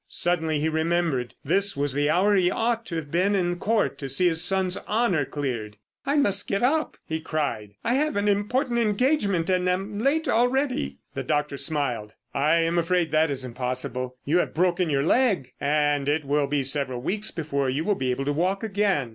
Suddenly he remembered. This was the hour he ought to have been in Court to see his son's honour cleared. "I must get up," he cried. "I have an important engagement, and am late already." The doctor smiled. "I am afraid that is impossible. You have broken your leg, and it will be several weeks before you will be able to walk again."